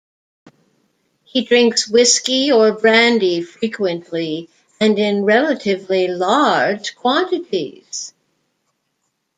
He drinks whiskey or brandy frequently and in relatively large quantities.